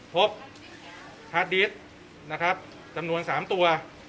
พบคาร์ดดิสจำนวน๓ตัว